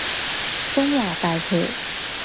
中華大橋